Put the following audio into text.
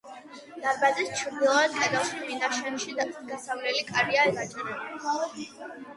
დარბაზის ჩრდილოეთ კედელში მინაშენში გასასვლელი კარია გაჭრილი.